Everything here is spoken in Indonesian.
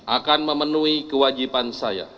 akan memenuhi kewajiban saya